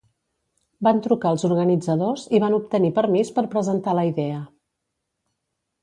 Van trucar als organitzadors i van obtenir permís per presentar la idea.